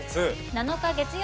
７日月曜。